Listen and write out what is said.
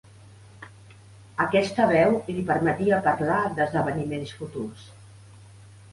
Aquesta veu li permetia parlar d'esdeveniments futurs.